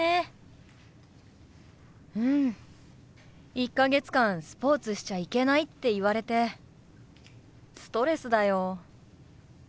１か月間スポーツしちゃいけないって言われてストレスだよ。